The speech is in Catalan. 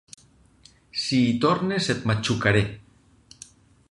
Si hi tornes et matxucaré!